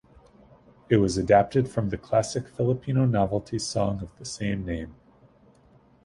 It was adapted from the classic Filipino novelty song of the same name.